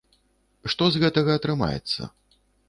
Што з гэтага атрымаецца?